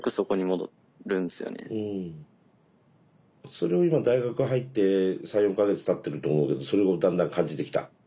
それを今大学入って３４か月たってると思うけどそれをだんだん感じてきた？